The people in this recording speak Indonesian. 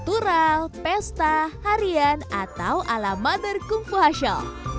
kultural pesta harian atau ala mother kung fu hachal